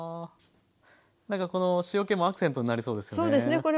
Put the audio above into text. なんかこの塩けもアクセントになりそうですね。